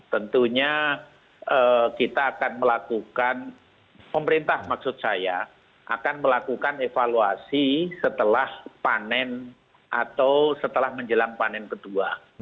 tentunya kita akan melakukan pemerintah maksud saya akan melakukan evaluasi setelah panen atau setelah menjelang panen kedua